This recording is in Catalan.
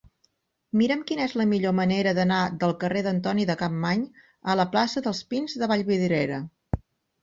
Mira'm quina és la millor manera d'anar del carrer d'Antoni de Capmany a la plaça dels Pins de Vallvidrera.